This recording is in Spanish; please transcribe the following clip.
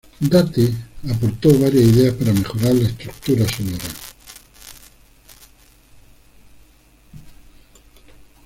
Date aportó varias ideas para mejorar la estructura sonora.